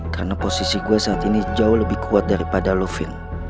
karena posisi gue saat ini jauh lebih kuat daripada lo fieng